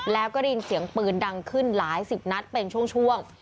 แล้วก็ได้ยินเสียงปืนดังขึ้นหลายสิบนัดเป็นช่วง